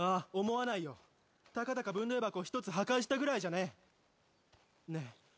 思わないよたかだか分霊箱１つ破壊したぐらいじゃねねえ